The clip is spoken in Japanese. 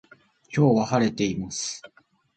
今日は晴れています